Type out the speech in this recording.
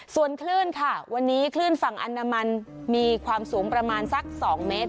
ส่วนคลื่นค่ะวันนี้คลื่นฝั่งอันดามันมีความสูงประมาณสัก๒เมตร